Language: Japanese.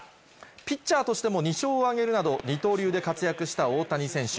ピッチャーとしても２勝を挙げるなど、二刀流で活躍した大谷選手。